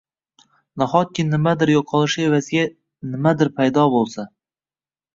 Nahotki nimadir yo‘qolishi evaziga nimadir paydo bo‘lsa?